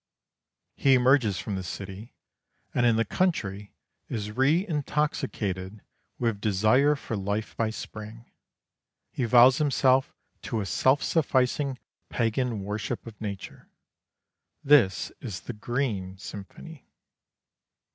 He emerges from the city, and in the country is re intoxicated with desire for life by spring. He vows himself to a self sufficing pagan worship of nature. This is the "Green Symphony."